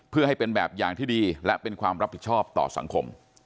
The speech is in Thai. เพื่อให้เป็นแบบอย่างที่ดีและเป็นความรับผิดชอบต่อสังคม